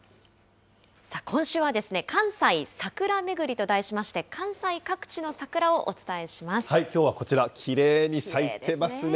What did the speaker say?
今週は関西桜めぐりと題しまして、関西各地の桜をお伝えしまきょうはこちら、きれいに咲いてますね。